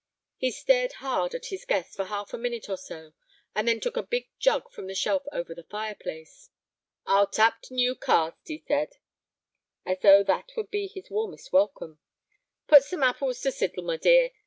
He stared hard at his guest for half a minute or so, and then took a big jug from a shelf over the fireplace. "I'll tap t' new cask," he said, as though that would be his warmest welcome. "Put some apples t' sizzle, my dear.